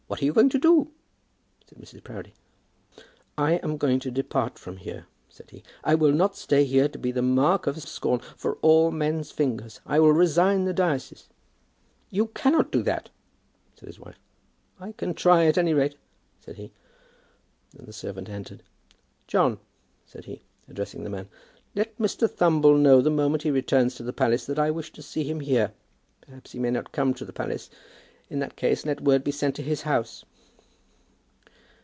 "What are you going to do?" said Mrs. Proudie. "I am going to depart from here," said he. "I will not stay here to be the mark of scorn for all men's fingers. I will resign the diocese." "You cannot do that," said his wife. "I can try, at any rate," said he. Then the servant entered. "John," said he, addressing the man, "let Mr. Thumble know the moment he returns to the palace that I wish to see him here. Perhaps he may not come to the palace. In that case let word be sent to his house."